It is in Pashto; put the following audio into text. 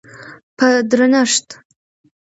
په درنښت